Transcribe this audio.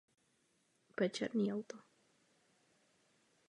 Doufám však, že budeme mít k dispozici Lisabonskou smlouvu.